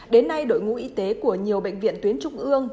đến nay đội ngũ y tế của nhiều bệnh viện tuyến trung ương